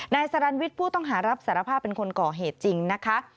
นายสรรวิทย์ผู้ต้องหารับสารภาพเป็นคนก่อเหตุจริงนะคะ